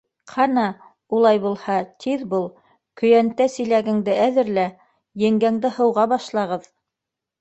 Ҡана, улай булһа, тиҙ бул, көйәнтә-силәгеңде әҙерлә, еңгәңде һыуға башлағыҙ.